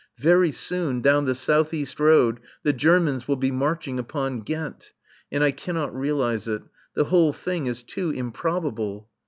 Very soon, down the south east road, the Germans will be marching upon Ghent. And I cannot realize it. The whole thing is too improbable.